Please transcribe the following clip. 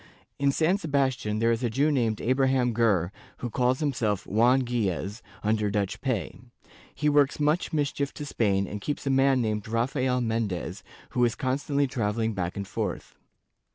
In San Sebastian, there is a Jew named Abraham Ger, who calls himself Juan Gilles, under Dutch pay; he works much mischief to Spain and keeps a man named Rafael Mendez, who is constantly travelling back and forth.